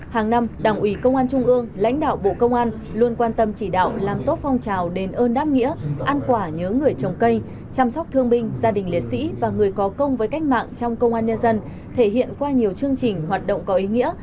hàng năm đảng ủy công an trung ương lãnh đạo bộ công an luôn quan tâm chỉ đạo làm tốt phong trào đền ơn đáp nghĩa an quả nhớ người trồng cây chăm sóc thương binh gia đình liệt sĩ và người có công với cách mạng trong công an nhân dân thể hiện qua nhiều chương trình hoạt động có ý nghĩa